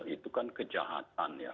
itu kan kejahatan ya